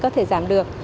có thể giảm được